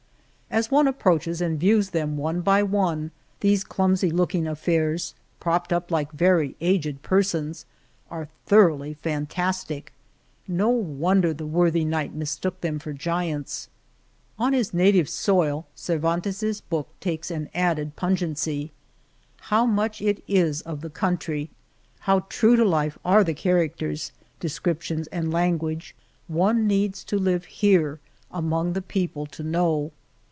As one approaches and views them one by one, these clumsy looking affairs, propped up like very aged persons, are thoroughly fantastic. No wonder the worthy knight mistook them for giants ! On his native soil Cervantes's book takes an 145 El Toboso added pungency. How much it is of the country, how true to life are the characters, descriptions and language, one needs to live here among the people to know.